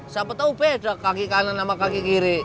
siapa tahu beda kaki kanan sama kaki kiri